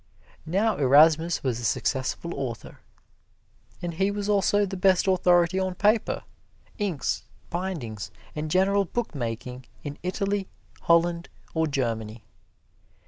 Now Erasmus was a successful author, and he was also the best authority on paper, inks, bindings, and general bookmaking in Italy, Holland or Germany.